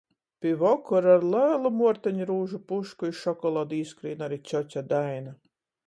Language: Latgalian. Pi vokora ar lelu muorteņrūžu pušku i šokoladu īskrīn ari cjoce Daina.